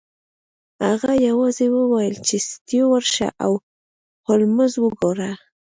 هغه یوازې وویل چې سټیو ورشه او هولمز وګوره